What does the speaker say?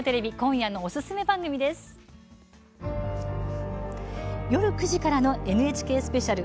夜９時からはＮＨＫスペシャル